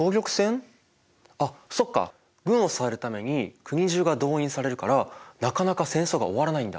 軍を支えるために国中が動員されるからなかなか戦争が終わらないんだ。